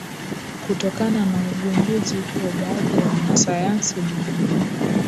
Kutokana na ugunduzi huo baadhi ya wanasayansi duniani